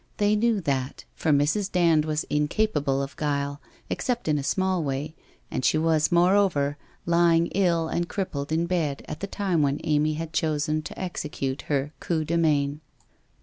They knew that, for Mrs. Dand was incapable of guile, except in a small way, and she was, moreover, lying ill and crip pled in bed at the time when Amy had chosen to execute her coup de main.